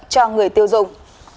cho người tiêu dùng